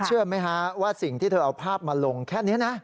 เชื่อไหมฮะว่าสิ่งที่เธอเอาภาพมาลงแค่นี้นะ